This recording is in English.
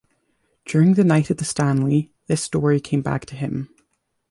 During the night at the Stanley, this story came back to him.